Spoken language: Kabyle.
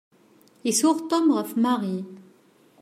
Isuɣ Tom ɣef Mary.